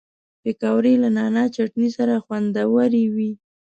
پکورې له نعناع چټني سره خوندورې وي